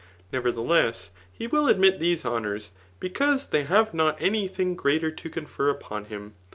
Nevertheless, he will admit these ho* nours, because they have not any thing greater to confer upon him.